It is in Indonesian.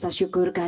harris di jakarta